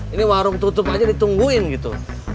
ini warung tutup aja ditungguin gitu